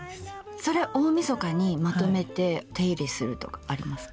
それ大みそかにまとめて手入れするとかありますか？